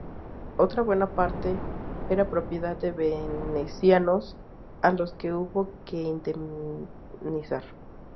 Otra buena parte era propiedad de venecianos, a los que hubo que indemnizar.